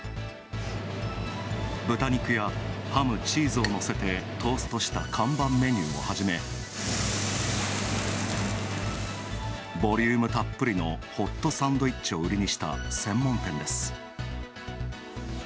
豚肉にハム、チーズをのせてトーストした看板メニューをはじめボリュームたっぷりのホットサンドイッチを売りにした専門店です。